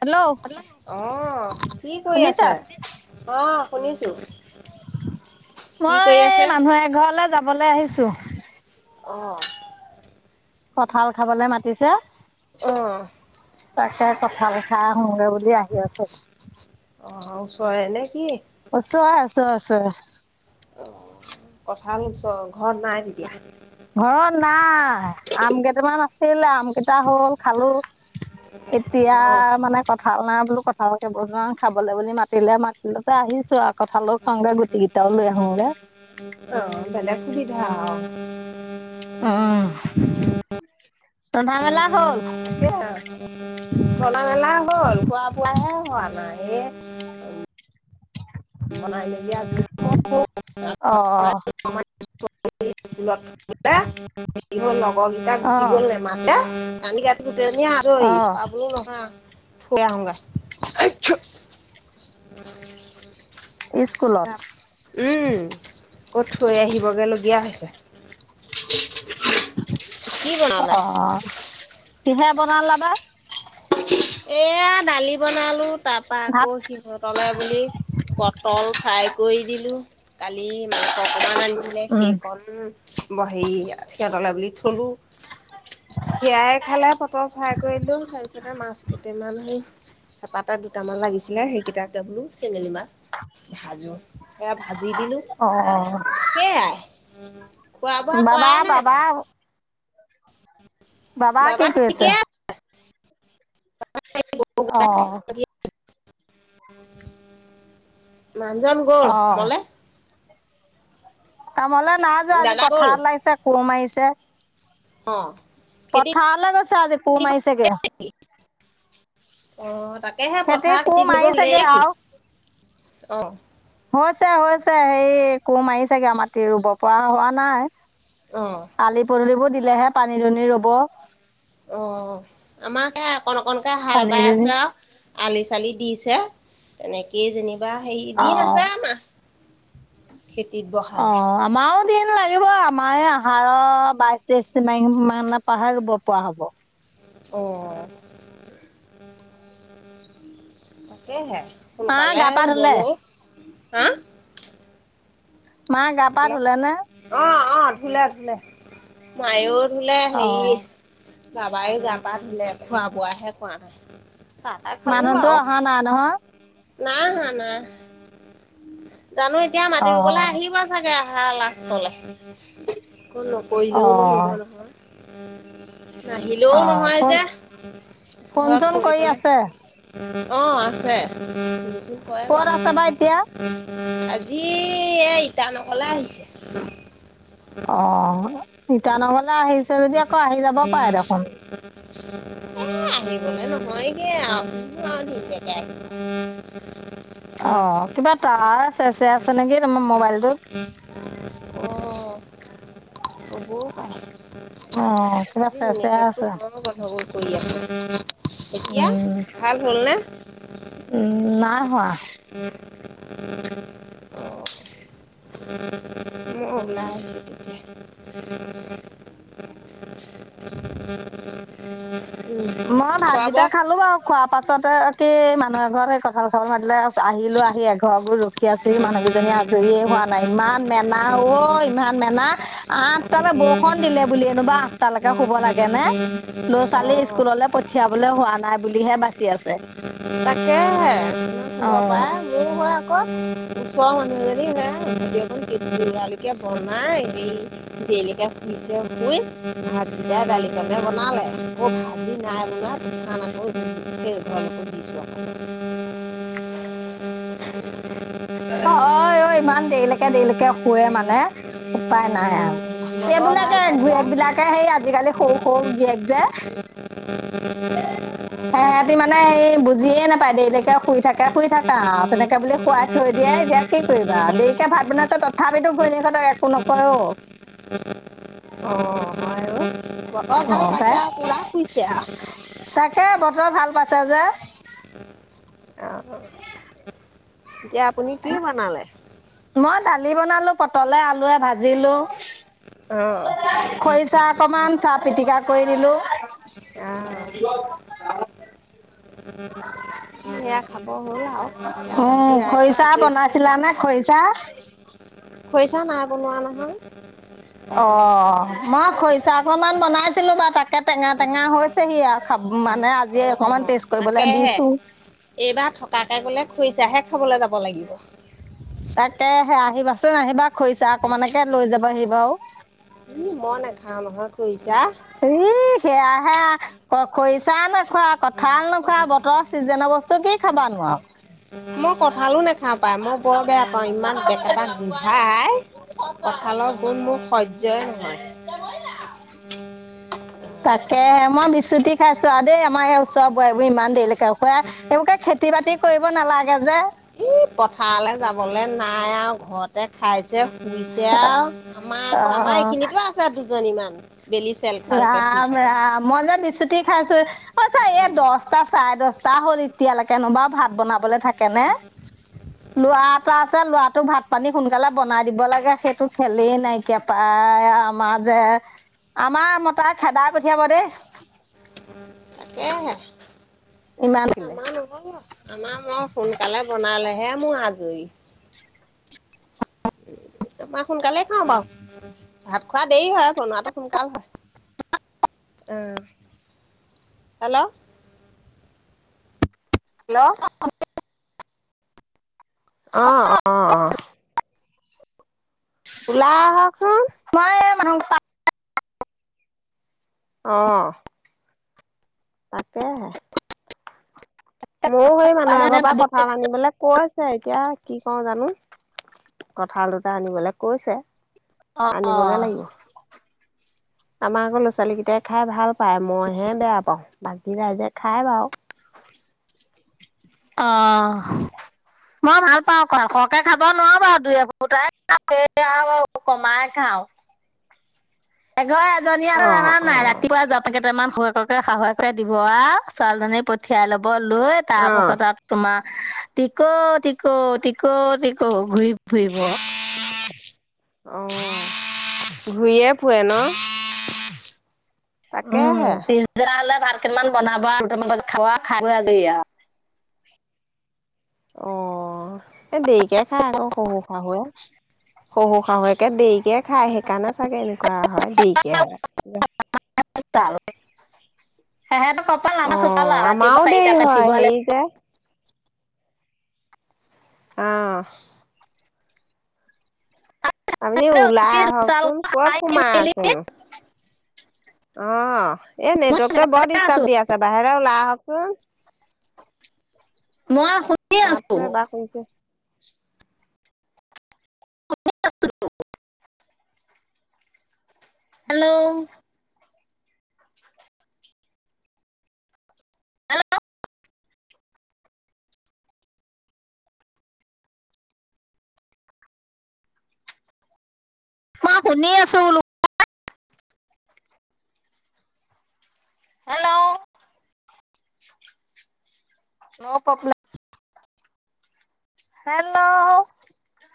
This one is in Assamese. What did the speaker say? হেল্ল' কি কৰি শুনিছা আছে? অ' শুনিছো। কি কৰি মই আছে? মানুহ এ ঘৰলে যাবলৈ আহিছো। অহ, কঠাল খাবলে মাতিছে। অ', তাকে কথা পথা শোমে বুলি আহি আছো। অ' ওচৰে নে কি? উচৰে-উচৰে-উচৰে। অ' কঠাল উচৰ ঘৰত নাই নেকি? ঘৰত নাই আম কেইটামান আছিল আম কেইটা হ'ল খালো। এতিয়া অ', মানে কঠাল নাই বোলো কথা। ভালকে বনোৱা খাবলৈ বুলি মাতিলে মাতিতে আহিছো আৰু। কঁঠালৈও খাওঁগা গুটি কেইটাও লৈ আহোগে অ উ। উম উম ৰন্ধা মেলা হল। [unintelligible] বনা মেলা গ'ল খোৱা বোৱাহে হোৱা নাই। সে। [inaudible] হ অ লগৰ কেইটা অ গুচি গ'ল নেমাতে কাট দুদ অ অ আৰহ পাবও নহয়। থ হগ। ত স্কুলত উম কত থৈ আহিবগে লগগীয়া হৈছে। [unintelligible] কি বনালে? অ কিহে বনলা ভাত? এয়া দালি বনালো। তাৰ পৰাা ভাত আকৌ সিহঁতলৈ বুলি পটল ফ্ৰাই কৰি দিলো কালি ম অকমান আনিছিলে উম সেইকণ ব হে সিহঁতলৈ বুলি থলো। সেয়াই খালে পটল ফাই কৰিলো। টা মাছ কেইটামান হল চপা এটা দুটামান লাগিছিলে সেইকেইটে বোলো চেঙেলী মাছ। ভাজো এয়া ভাজি দিলো অ সেইয়াই। খোৱা বোৱা বাবা কৰাই নাই বাবা বাৰু বাবা কি কৰি আছে অঁ আছে মানুহজন গল অ কামলে কামলৈ না যোৱা আজি দাদা গ'ল পথাৰত লাগিছে কোৰ মাৰিছে অ খেতি পথাৰলে গৈছে আজি কোৰ মাৰিছেগে অ তাকেহে হেতে পথাৰ কোৰ খেতি ধৰিব মাৰি হ'লেই চাগে কি আহও অ হৈছে হৈছে এই কোৰ মাৰি চেগে আও মাটি ৰুব পৰা হোৱা নাই অ আলি পদূলিবোৰ দিল লেহে পানী দুনি ৰ'ব অ আমাৰ সেইয়া অকন অকনকে হাল পানী বাই দুনি আছে আৰু আলি চালি দিছে তেনেকেই যেনিবা হে অ দিন আছে আমা খেতিত অ বহালে আমাৰো দিন লাগিব আমাৰ এই আহাৰ বাইশ তেইশ মানৰ পা হে ৰুব পৰা হব অ হেয়হে মা সোনকালে গা পা ধুলে ৰুবনো হা মা গা পা হেল্ল' ধুলে নে? অ অ ধোলে ধুলে মায়ো ধুলে হেৰি অ', বাবাই যাবা ধিলে খোৱা বোৱাহে কৰা নাই চাহ তা খালো মানুহতো আও অহা নাই নহয়? নাই আহা নাই আহা জানো এতিয়া মাটি ৰুবলৈ অ', আহিবা আহা লাষ্টলে একো নকৰিলেও নোহ'ব অ', নহয় নাহিলেও অ', নহয় ফোন যে ফোন ঘৰত চোন কৰি ফুৰিবলে আছে? অ আছে ক'ত আছে বা এতিয়া? [unintelligible] জি এ ইতা নহলে আহিছে। অ ইটানগৰলে আহিছে যদি আকৌ আহি যাব পাৰে দেখোন। এ আহিবলে নহয়গে আহু আ ধুনীয়াকে [unintelligible] অ কিবা তাৰ চে চে আছে নেকি তোমাম অ তবৌ পাই। অ', কিবা আজি চেৰচেৰাই নেটো আছে। বৰ গন্ধাব কৰি আ এতিয়া উম, ভাল হল নে উম নাই হোৱা উ অ ল উ উ মই ভাতকিটা খালো বাৰু খোৱা পাছতে কি মানুহ এ ঘৰত সেই কঁঠাল কঁাল মাতিলে আহিলো আহি এঘৰবোৰ ৰখি সীয়া চৰিী মানুহকেইজনী আজৰিয়ে হোৱা নাই ইমান মেনা অ' ইমান মেনা আঠটালৈ বৰষুণ দিলে বুলি এনোবা আঠটালৈকে শুব লাগেনেে ল'ৰা ছোৱালী অ স্কুললৈ পঠিয়াবলৈ হোৱা নাই বুলিহে বাচি আছে তাকেহে তমি অ খবৰ পাই মোৰ হয় ওচৰৰ মানুহজনী হেকলকে বনাই হেৰি তেলকে শুইছে শুই ভাজি দালিকে বনালে ভাজি নাই বলা আান আকৌ স ঘৰ সো দিছো উম উম উ অ অ ইমান দেৰিলৈকে দেৰিলৈকে শুৱে মানে উপায় নাই আৰু বতৰ ভাল এইবিলাকে পাইছে গয়েক আৰু বিলাকে সেই আজিকালি সৰু সৰু গীয়েক যে সেহহতি মানে সে বুজিয়ে নাপায় দেেইতাকে শুই থাকে শুই থাককা তেনেকে বুলি শুৱাই থৈ দিয়ে এতিয়া কি কৰিবা দেৰিকে ভাত বনাইছ তথাপিতো হঁতক একো নকয় অ অ হয় বতৰ অ ভাল তাই পাইছে আৰু পূৰা শুইছে আৰু তাকে বতৰ ভাল পাঁচ হাজাৰ অঁ এতিয়া আপুনি কি বনালে মই দালি বনালো পটলে আলুৱে ভাজিলো অ খৰিচা অকমান চাহ পিতিিকা কৰি দিলো অঁ সেয়া খাব হ'ল আৰু এতিয়া উম বাকী ৰাইজৰ খৰিচা আজৰি হলে বনাইছিলা খাব নে খৰিচা আৰু খৰিচা নাই বনোৱা নহয় অ মই খৰিচা অকনমান বনাইছিলো বাৰ তাক একে টেঙা টেঙা হৈছেহি আৰু খাব মানে আজি অকমান অ', টেষ্ট কৰিবলৈ তাকেহে দিছো এইবাৰ থকাকে গলে খুইছাহে খাবলৈ যাব লাগিব তাকে সে আহিবাচোন আহিবা খৰিছা অকমানেকে লৈ যাবা আহিবা আৰু ত মন এ ঘা নহয় কৰিুছা হ ক খৈছা ন নোখোৱা কঠাল নোখোৱা বতৰৰ চিজনৰ বস্তু কি খাবা নোৱাৰো মই কঁঠালো নাখাওঁ পাই মই বৰ বেয়া পাওঁ ইমান বেক এটা গোধাই আ কঠালৰ গল মোৰ সহ্যয়ই নহয় তাকেে মই বিচুতি খাইছো আৰু দেই আমাৰ এই োৱা বোৱাৰীবোৰ ইমান দেৰিলৈকোই সবকে খেতি বাতি কৰিব নালাগে যে ই পথাৰলৈ যাবলে নাই আৰু ঘৰতে খাইছে পিছে আৰু আমাৰ আকৌ আমাৰ অঁ এইখিনিতো আছে দুজনীমান বেলি চেল খোৱালৈকে শুই ৰাম থাকে। ৰাম মই যে বিচুতি খাইছো অ চ এই দছটা চাৰে দহটা ত হল এতিয়ালৈনোবা ভাতনাবলৈ থাকে কেনে লৰা এটা আছে লৰাটো ভাত পানী সোনকালে বনাই দিব লাগে সেই তো খলে নাইকিয়া পাই আমাৰ যে আমাৰ মতা খেদাই পঠিয়াব দেই উ তাকে ইমান দিলে আমাৰ নক'ব আমাৰ বাৰু সোনকালে বনালে হে মই আজৰি [inaudible] আমাৰ সোনকালেই খাওঁ বাৰু ভাত খোৱা দেৰি হয় আৰু বনোৱাটো সোনকাল হয়। অহ হেল্ল'। হেল্ল'। অহ অ', -অ'। ওলা আহকচোন। মাংস [unintelligible] অহ। তাকেহে ময়ো সেই মানুহ এ ঘৰ পৰা ভাবিছো কথা পাতিবলৈ কৈ আছে এতিয়া কি কওঁ জানো। কঠাল দুটা আনিবলৈ কৈছে, আনিবগে লাগিব। আমাৰ আকৌ ল'ৰা-ছোৱালী কেইটাই খাই ভাল পায়। মইহে বেয়া পাওঁ, বাকী ৰাইজে খাই বাৰু অ'। মই ভাল পাও কঠাল, খৰকে খাব নোৱাৰো বাৰু দুই, এফোটাই খাও, এই কমাই খাও। খাও। এঘৰ এজনী আৰু অ আনা অ নাই ৰাতিপুৱা যা মান শহুকে, শাহুৱক দিব আৰু ছোৱালীজনী পঠিয়াই ল'ব। বলই তাৰ অ পাছত আৰু তোমাৰ টিকো-টিকো, টিকো-টিকো ঘূৰি ফুৰিব। অ' ঘূৰিয়ে ফুৱে ন। উম' তাকেহে পিছদিনা হ'লে ভাল। কিমান বনাবা আৰু তোমাৰ খাবা খাই বৈ আজৰি আৰু অ' এই দেৰিকে খাই আকৌ শহু-শাহুৱে, শহু শাহুৱে তাকে দেৰিকে খায়, সেইকাৰণে চাগে এনেকুৱা হয় দেৰিকে হয়। [unintelligible] কপাল আমাৰ চোপাল অ' আৰু আমাৰো ৰাতিপুৱা দেৰি চাৰিটাতে হয় উঠিব হেৰি যে লাগিব। অহ। আপুনি ওলাই উঠি চোতাল আহকচোন ক'ত সাৰি সোমাই মেলি আছেনো। অ' এই মই নেটৱৰ্কটো বৰ জেগাতে আছো ডিষ্টাৰ্ব দি আছে বাহিৰে ওলাই আহকচোন। মই শুনি আছো মাপে বা কৰিছে। হেল্ল'। হেল্ল'। শুনি আছো বোলো কোৱা হেল্ল'। No problem. হেল্ল'।